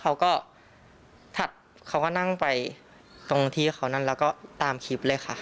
เขาก็ถัดเขาก็นั่งไปตรงที่เขานั่นแล้วก็ตามคลิปเลยค่ะ